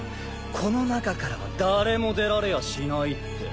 この中からは誰も出られやしないって。